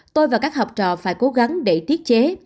tôi và các học trò phải cố gắng để tiết chế